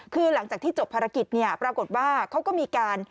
คือหลังจากที่จบภารกิจเนี่ยปรากฏว่าเขาก็มีการ